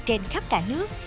trên khắp cả nước